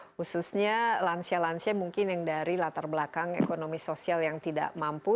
khususnya lansia lansia mungkin yang dari latar belakang ekonomi sosial yang tidak mampu